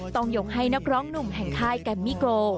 ต้องยกให้นักร้องหนุ่มแห่งค่ายแกมมี่โก